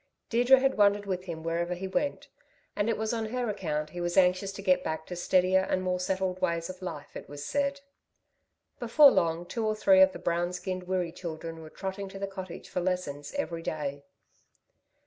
Deirdre had wandered with him wherever he went, and it was on her account he was anxious to get back to steadier and more settled ways of life, it was said. Before long two or three of the brown skinned Wirree children were trotting to the cottage for lessons every day.